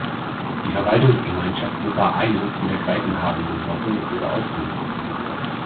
Die Verwaltungsgemeinschaft Wipper-Eine, zu der Greifenhagen gehörte, wurde aufgelöst.